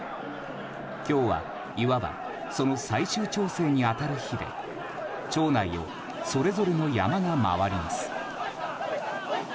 今日はいわばその最終調整に当たる日で町内をそれぞれの山笠が回ります。